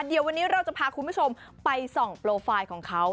เดี๋ยววันนี้เราจะพาคุณผู้ชมไปส่องโปรไฟล์ของเขา